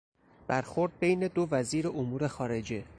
برخورد بین دو وزیر امور خارجه